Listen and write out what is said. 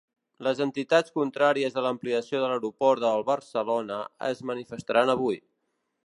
Les entitats contràries a l’ampliació de l’aeroport del Barcelona es manifestaran avui.